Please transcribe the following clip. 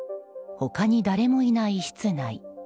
他に誰もいない室内。